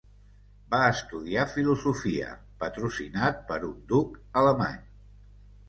Va estudiar filosofia, patrocinat per un duc alemany.